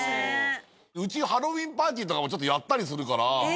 うち、ハロウィーンパーティーとか、ちょっとやったりするから。